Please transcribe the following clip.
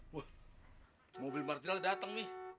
wah mobil martiral dateng mi